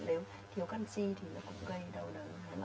nếu thiếu canxi thì nó cũng gây đau đớn